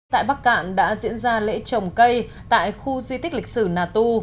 tại bắc cạn đã diễn ra lễ trồng cây tại khu di tích lịch sử nà tu